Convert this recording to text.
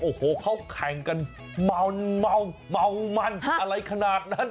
โอ้โหเขาแข่งกันเมาเมามันอะไรขนาดนั้น